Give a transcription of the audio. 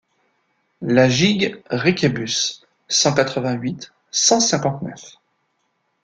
La gigue Ryckebus cent quatre-vingt-huit cent cinquante-neuf.